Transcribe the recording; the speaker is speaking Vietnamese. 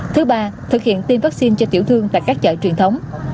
thứ ba thực hiện tiêm vaccine cho tiểu thương tại các chợ truyền thống